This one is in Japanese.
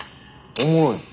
おもろいの？